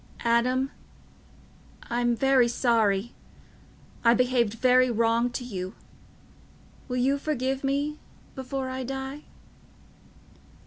"Adam... I'm very sorry... I behaved very wrong to you... will you forgive me... before I die?"